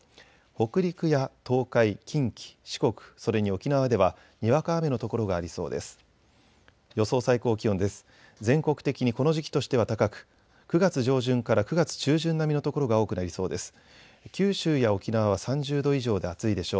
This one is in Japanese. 北陸や東海、近畿、四国、それに沖縄ではにわか雨の所がありそうです。